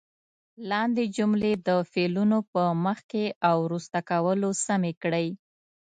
لاندې جملې د فعلونو په مخکې او وروسته کولو سمې کړئ.